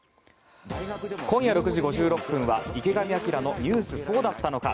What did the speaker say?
今夜６時５６分は「池上彰のニュースそうだったのか！！」。